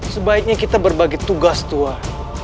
sebaiknya kita berbagi tugas tua